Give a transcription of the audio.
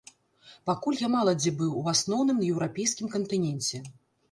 Пакуль я мала дзе быў, у асноўным на еўрапейскім кантыненце.